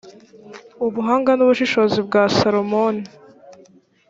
ubuhanga n ubushishozi bwa salomoni